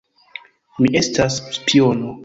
Mi estas spiono